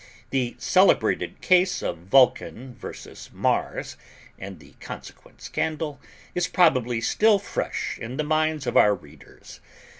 The celebrated case of Vulcan vs. Mars, and the consequent scandal, is probably still fresh in the minds of our readers.